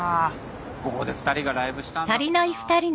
ここで２人がライブしたんだもんな。